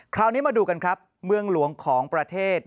คราวนี้มาดูกันครับเมืองหลวงของประเทศ